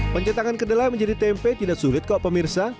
pencetakan kedelai menjadi tempe tidak sulit kok pemirsa